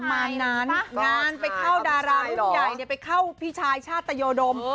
ประมาณนั้นงานไปเข้าดารารุ่นใหญ่ไปเข้าพี่ชายชาติตยดม